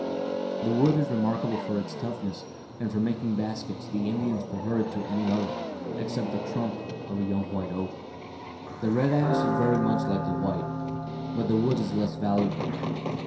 The wood is remarkable for its toughness, and for making baskets the Indians prefer it to any other, except the trunk of a young white oak. "The red ash is very much like the white, but the wood is less valuable.